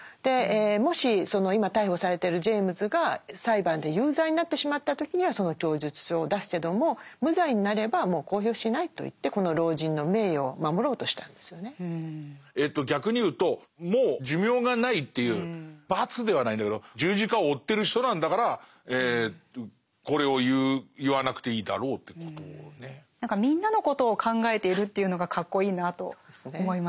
もしその今逮捕されてるジェイムズが裁判で有罪になってしまった時にはその供述書を出すけども無罪になればもう公表しないと言って逆に言うともう寿命がないという罰ではないんだけど何かみんなのことを考えているというのがかっこいいなと思いますね。